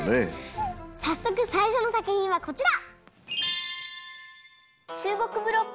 さっそくさいしょのさくひんはこちら。